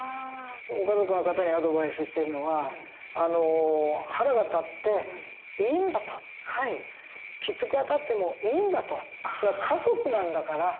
ご家族の方にアドバイスしてるのは腹が立っていいんだときつくあたってもいいんだとそれは家族なんだから。